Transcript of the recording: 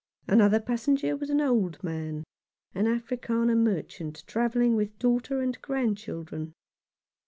Another passenger was an old man, an Afrikander merchant, travelling with daughter and grandchildren.